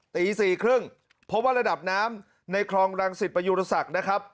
ตี๔๓๐เพราะว่าระดับน้ำในคลองรังสิตประยุรศักดิ์นะครับ